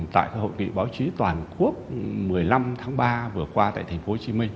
tại hội nghị báo chí toàn quốc một mươi năm tháng ba vừa qua tại tp hcm